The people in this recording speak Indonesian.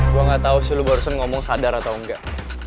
gue gak tau sih lo barusan ngomong sadar atau enggak